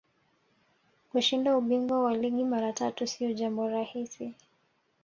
kushinda ubingwa wa ligi mara tatu siyo jambo rahisi